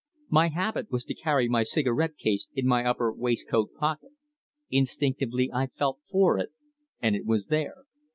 My habit was to carry my cigarette case in my upper waistcoat pocket. Instinctively I felt for it, and it was there.